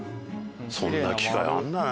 そんな機械あるんだね。